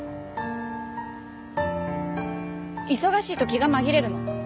忙しいと気が紛れるの。